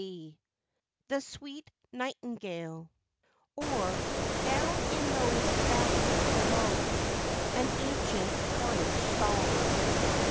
THE SWEET NIGHTINGALE; OR, DOWN IN THOSE VALLEYS BELOW. AN ANCIENT CORNISH SONG.